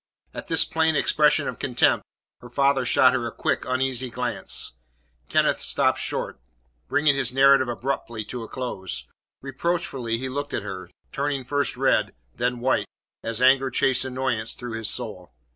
At this plain expression of contempt, her father shot her a quick, uneasy glance. Kenneth stopped short, bringing his narrative abruptly to a close. Reproachfully he looked at her, turning first red, then white, as anger chased annoyance through his soul.